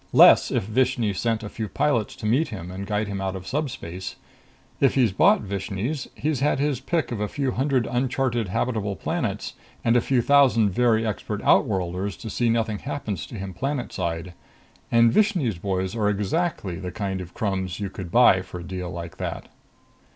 Less, if Vishni sent a few pilots to meet him and guide him out of subspace. If he's bought Vishni's, he's had his pick of a few hundred uncharted habitable planets and a few thousand very expert outworlders to see nothing happens to him planetside. And Vishni's boys are exactly the kind of crumbs you could buy for a deal like that.